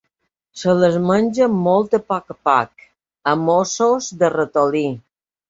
Se les menja molt a poc a poc, a mossos de ratolí.